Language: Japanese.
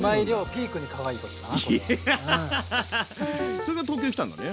それから東京へ来たんだね。